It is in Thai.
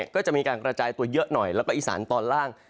ก็จะมีการกระจายตัวเยอะหน่อยแล้วก็อีสานตอนล่าง